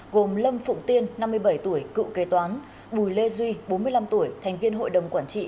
gồm lâm phụng tiên năm mươi bảy tuổi cựu kế toán bùi lê duy bốn mươi năm tuổi thành viên hội đồng quản trị